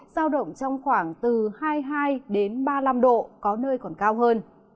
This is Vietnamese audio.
giao động trong khoảng từ hai mươi hai ba mươi năm độ có nơi còn cao hơn